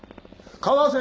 川瀬！